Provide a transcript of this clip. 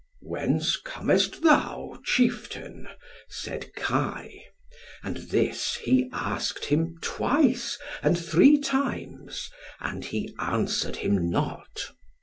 "Whence comest thou, chieftain?" said Kai. And this he asked him twice, and three times, and he answered him not.